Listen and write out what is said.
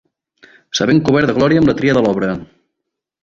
S'ha ben cobert de glòria, amb la tria de l'obra!